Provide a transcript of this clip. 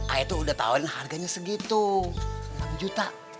ayah itu udah tawarin harganya segitu enam juta